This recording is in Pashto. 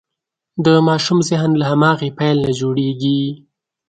د ماشوم ذهن له هماغې پیل نه جوړېږي.